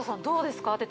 どうですか？